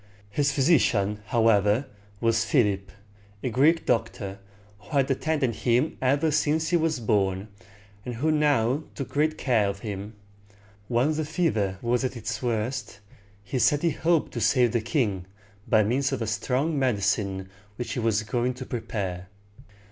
His physician, however, was Philip, a Greek doctor, who had attended him ever since he was born, and who now took great care of him. When the fever was at its worst, he said he hoped to save the king by means of a strong medicine which he was going to prepare.